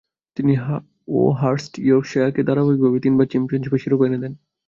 তিনি ও হার্স্ট ইয়র্কশায়ারকে ধারাবাহিকভাবে তিনবার চ্যাম্পিয়নশীপের শিরোপা এনে দেন।